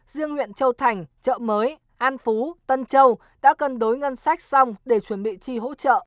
riêng huyện châu thành chợ mới an phú tân châu đã cân đối ngân sách xong để chuẩn bị chi hỗ trợ